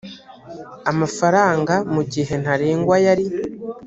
amafaranga mu gihe ntarengwa yari